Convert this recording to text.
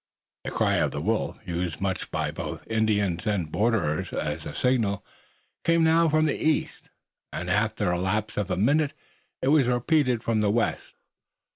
The cry of the wolf, used much by both the Indians and the borderers as a signal, came now from the east, and after the lapse of a minute it was repeated from the west.